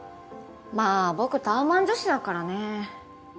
まあ僕タワマン女子だからね。